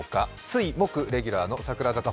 水・木レギュラーの櫻坂